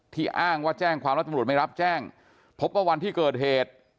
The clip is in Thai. อ้างว่าแจ้งความแล้วตำรวจไม่รับแจ้งพบว่าวันที่เกิดเหตุ